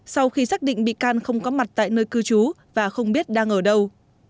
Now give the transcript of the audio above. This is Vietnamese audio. sau khi xác định bị can không có mặt tại nơi cư trú và không biết đang ở đâu